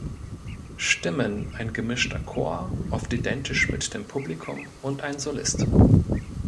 Stimmen: ein gemischter Chor, oft identisch mit dem Publikum, und ein Solist.